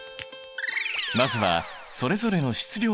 まずはそれぞれの質量に注目。